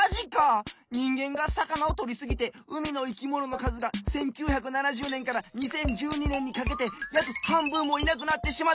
にんげんがさかなをとりすぎて海のいきもののかずが１９７０ねんから２０１２ねんにかけてやくはんぶんもいなくなってしまったって！